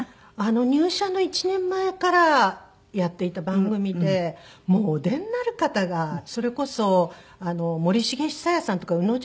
入社の１年前からやっていた番組でもうお出になる方がそれこそ森繁久彌さんとか宇野重吉さんとか。